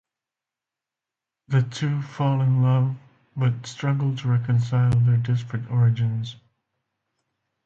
The two fall in love but struggle to reconcile their disparate origins.